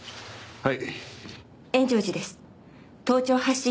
はい。